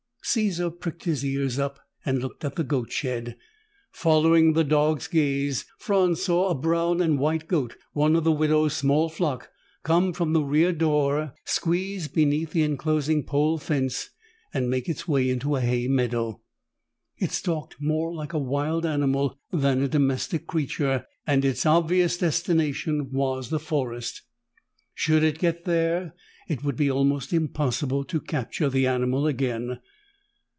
Caesar pricked his ears up and looked at the goat shed. Following the dog's gaze, Franz saw a brown and white goat, one of the widow's small flock, come from the rear door, squeeze beneath the enclosing pole fence and make its way into a hay meadow. It stalked more like a wild animal than a domestic creature and its obvious destination was the forest. Should it get there, it would be almost impossible to capture the animal again.